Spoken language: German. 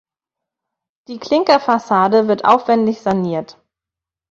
Die Klinkerfassade wird aufwendig saniert.